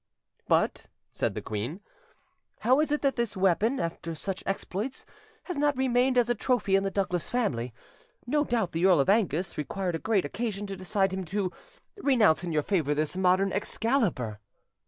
"But," said the queen, "how is it that this weapon, after such exploits, has not remained as a trophy in the Douglas family? No doubt the Earl of Angus required a great occasion to decide him to renounce in your favour this modern Excalibur".